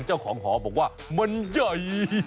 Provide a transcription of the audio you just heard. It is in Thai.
เจ้าของหอบอกว่ามันใหญ่